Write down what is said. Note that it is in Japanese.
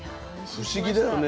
不思議だよね。